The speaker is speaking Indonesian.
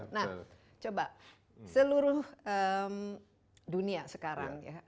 nah coba seluruh dunia sekarang ya